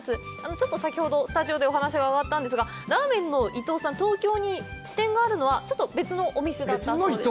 ちょっと先ほど、スタジオでお話が上がったんですが、ラーメンの伊藤さん、東京に支店があるのはちょっと別のお店だったそうです。